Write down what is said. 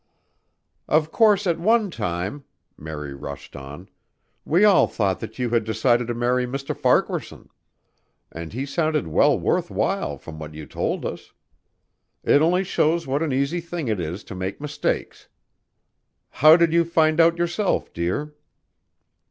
"Of course, at one time," Mary rushed on, "we all thought that you had decided to marry Mr. Farquaharson and he sounded well worth while from what you told us. It only shows what an easy thing it is to make mistakes. How did you find out yourself, dear?"